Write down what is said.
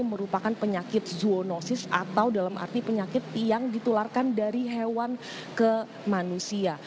merupakan penyakit zoonosis atau dalam arti penyakit yang ditularkan dari hewan ke manusia